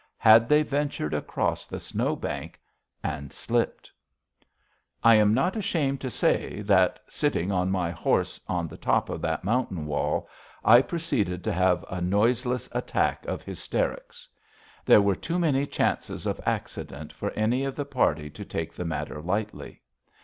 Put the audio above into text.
Had they ventured across the snow bank and slipped? I am not ashamed to say that, sitting on my horse on the top of that mountain wall, I proceeded to have a noiseless attack of hysterics. There were too many chances of accident for any of the party to take the matter lightly.